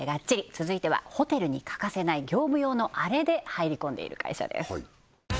続いてはホテルに欠かせない業務用のアレで入り込んでいる会社です